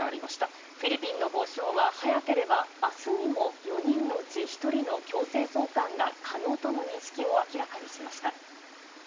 フィリピンの法相は、早ければあすにも、４人のうち１人の強制送還が可能との認識を明らかにしました。